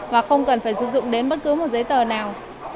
và không cần phải sử dụng đến bất cứ một giấy tờ nào